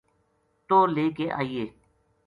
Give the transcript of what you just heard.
تو لے کے آنیے